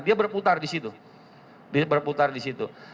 dia berputar disitu